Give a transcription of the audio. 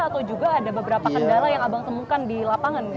atau juga ada beberapa kendala yang abang temukan di lapangan